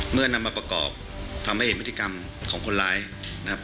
นำมาประกอบทำให้เห็นพฤติกรรมของคนร้ายนะครับ